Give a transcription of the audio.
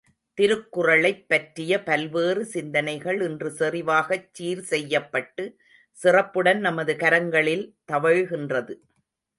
திருக்குறளைப் பற்றிய பல்வேறு சிந்தனைகள் இன்று செறிவாகச் சீர்செய்யப்பட்டு, சிறப்புடன் நமது கரங்களில் தவழ்கின்றது.